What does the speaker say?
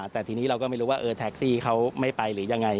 แต่ทีนี้เราก็ไม่รู้ว่าแท็กซี่เขาไม่ไปหรือยังไง